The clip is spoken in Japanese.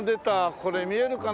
これ見えるかな？